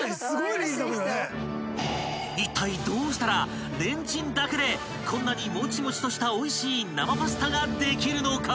［いったいどうしたらレンチンだけでこんなにもちもちとしたおいしい生パスタができるのか？］